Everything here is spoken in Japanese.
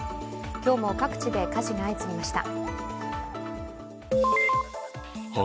今日も各地で火事が相次ぎました。